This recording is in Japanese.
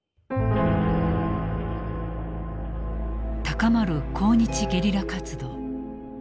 高まる抗日ゲリラ活動。